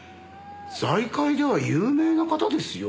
財界では有名な方ですよ。